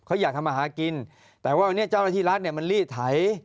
เขาอยากทำอาหารกินแต่วันนี้เจ้าละที่รัฐมันลีดที่